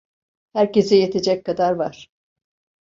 Herkese yetecek kadar var.